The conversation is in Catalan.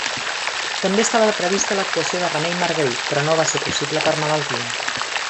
També estava prevista l'actuació de Remei Margarit però no va ser possible per malaltia.